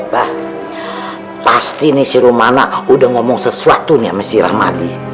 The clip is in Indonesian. bah pasti nih si rumana udah ngomong sesuatu nih sama si naramadi